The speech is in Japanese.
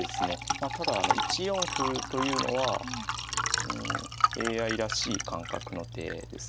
まあただ１四歩というのはうんＡＩらしい感覚の手ですね。